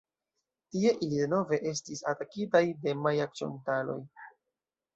Tie ili denove estis atakitaj de maja-ĉontaloj.